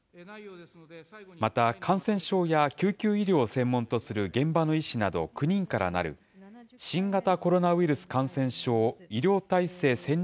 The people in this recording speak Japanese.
また感染症や救急医療を専門とする現場の医師など９人からなる、新型コロナウイルス感染症医療体制戦略